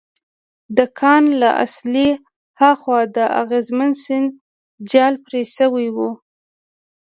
د کان له احاطې هاخوا د اغزن سیم جال پرې شوی و